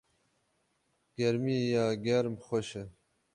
gêrmiya germ xweş e